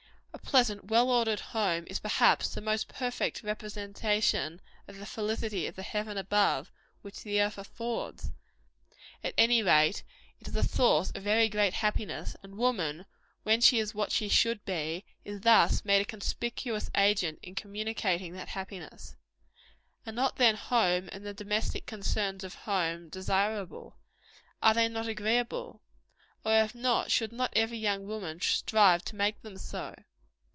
A pleasant, well ordered home, is perhaps the most perfect representation of the felicity of the heaven above, which the earth affords. At any rate, it is a source of very great happiness; and woman, when she is what she should be, is thus made a conspicuous agent in communicating that happiness. Are not, then, home, and the domestic concerns of home, desirable? Are they not agreeable? Or if not, should not every young woman strive to make them so?